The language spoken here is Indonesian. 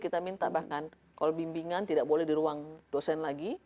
kita minta bahkan kalau bimbingan tidak boleh di ruang dosen lagi